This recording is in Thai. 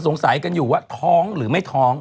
สงสัยกันอยู่ว่าท้องหรือไม่ท้อง